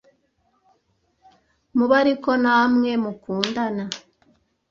mube ari ko namwe mukundana